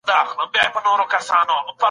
ما مخکي اوبه څښلې وې.